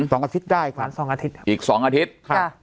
สองอาทิตย์อีกสองอาทิตย์